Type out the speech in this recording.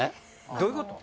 どういうこと？